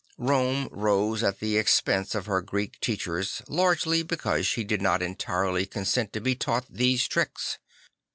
Rome rose at the expense of her Greek teachers largely because she did not entirely consent to be taught these tricks.